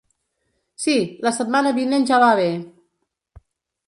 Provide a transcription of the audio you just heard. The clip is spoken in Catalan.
Si, la setmana vinent ja va bé.